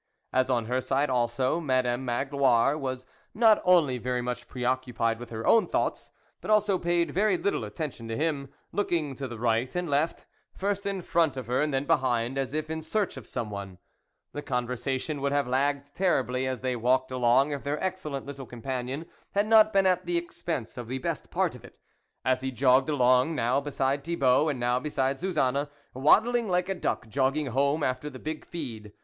As on her side also, Madame Magloire was not only very much preoccupied with her own thoughts, but also paid very little attention to him, looking to right and left, first in front of her and then behind, as if in search of some one, the conversation would have lagged terribly as they walked along if their excellent little companion had not been at the expense of the best part of it, as he jogged along now beside Thibault and now beside Suzanne, wadd ling like a duck jogging home after a big feed.